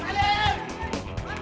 balik balik balik